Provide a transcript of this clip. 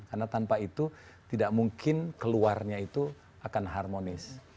karena tanpa itu tidak mungkin keluarnya itu akan harmonis